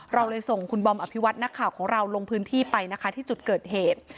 เราเลยส่งคุณบอมอภิวัตินักข่าวของเราลงพื้นที่ไปนะคะที่จุดเกิดเหตุ